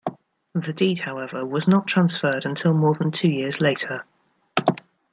The deed, however, was not transferred until more than two years later.